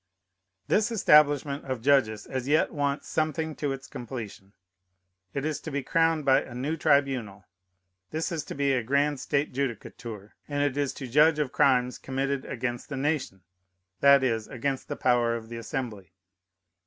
This establishment of judges as yet wants something to its completion. It is to be crowned by a new tribunal. This is to be a grand state judicature; and it is to judge of crimes committed against the nation, that is, against the power of the Assembly.